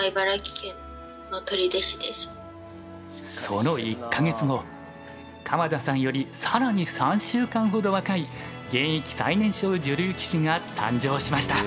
その１か月後鎌田さんより更に３週間ほど若い現役最年少女流棋士が誕生しました。